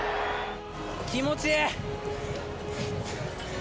気持ちいい。